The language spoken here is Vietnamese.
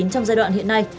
trong giai đoạn hiện nay